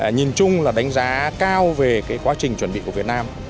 nhìn chung là đánh giá cao về quá trình chuẩn bị của việt nam